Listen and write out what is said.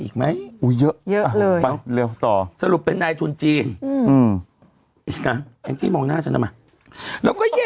ใครพาตกันตายอีกมั้ย